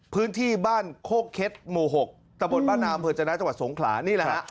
พื้นที่บ้านโคเค็ตหมู่๖ตะบนบ้านอาวุธจรรย์นะจังหวัดสงขลานี่แหละครับ